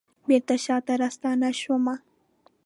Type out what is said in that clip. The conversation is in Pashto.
بیرته شاته راستنه شومه